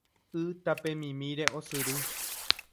Y tapemimíre osyry